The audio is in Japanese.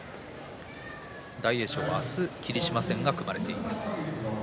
大栄翔は明日霧島戦が組まれています。